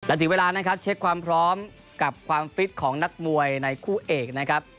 และถึงเวลานะครับเช็คความพร้อมกับความฟิตของนักมวยในคู่เอกนะครับ